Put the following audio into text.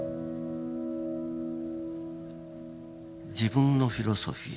自分のフィロソフィー。